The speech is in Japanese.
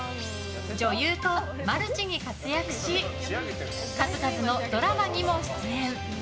女優とマルチに活躍し数々のドラマにも出演。